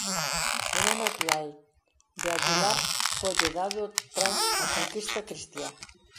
O nome actual de Aguilar foille dado tras a conquista cristiá.